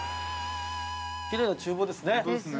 ◆きれいな厨房ですね。